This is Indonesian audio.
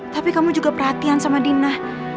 tapi kamu juga perhatian sama dina